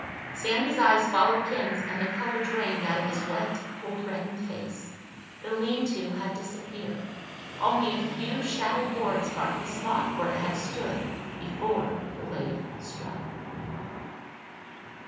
Sandy's eyes followed Ken's and the color drained out of his wet cold reddened face. The lean to had disappeared. Only a few shattered boards marked the spot where it had stood before the wave struck.